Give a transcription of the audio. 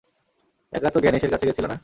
একা তো গ্যানেশ এর কাছে গেছিলা না?